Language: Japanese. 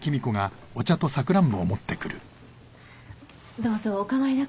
どうぞお構いなく。